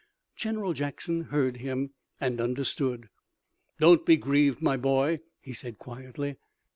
General Jackson heard him and understood. "Don't be grieved, my boy," he said quietly.